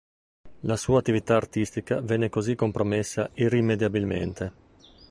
La sua attività artistica venne così compromessa irrimediabilmente.